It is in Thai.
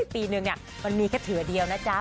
ปีนึงเนี่ยวันนี้แค่เถือเดียวนะจ๊ะ